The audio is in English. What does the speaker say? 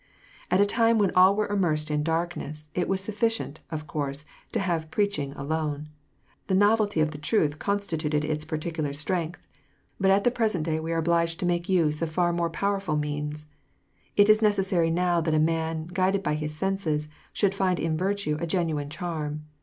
" At a time when all were immersed in darkness, it was suf ficient, of course, to haVe preaching alone : the novelty of the truth constituted its peculiar strength, but at the present day we are obliged to maJ^e use of far more powerful means. It is necessary now that a man, guided by his senses, should find in virtue a genuine charm.